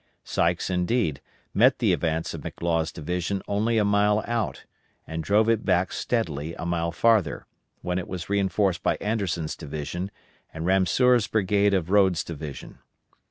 Sykes indeed, met the advance of McLaws' division only a mile out, and drove it back steadily a mile farther, when it was reinforced by Anderson's division, and Ramseur's brigade of Rodes' division.